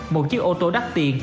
một chiếc ô tô đắt tiền